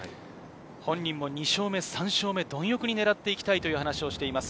本人も２勝目、３勝目、貪欲に狙っていきたいと話をしています。